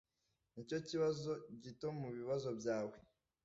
Nicyo kibazo gito mubibazo byawe